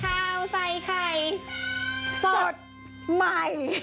ทางไฟไขมันสดใหม่